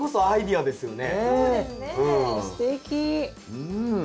うん！